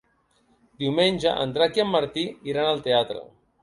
Diumenge en Drac i en Martí iran al teatre.